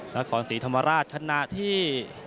นครศรีธรรมราชขณะที่